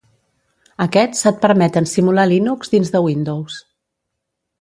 Aquests et permeten simular Linux dins de Windows.